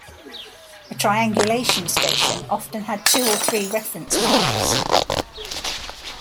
A triangulation station often had two or three reference marks.